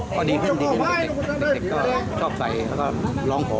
ก็ดีขึ้นดีเด็กก็ชอบใส่แล้วก็ร้องขอ